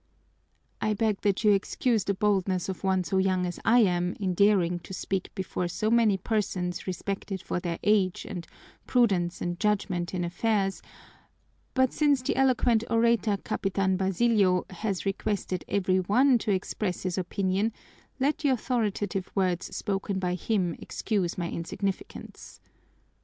"I beg that you excuse the boldness of one so young as I am in daring to speak before so many persons respected for their age and prudence and judgment in affairs, but since the eloquent orator, Capitan Basilio, has requested every one to express his opinion, let the authoritative words spoken by him excuse my insignificance."